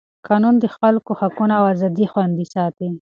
قانون د خلکو حقونه او ازادۍ خوندي کوي.